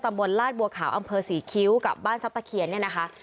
ลาดบัวขาวอำเภอศรีคิ้วกับบ้านทรัพย์ตะเคียนเนี่ยนะคะ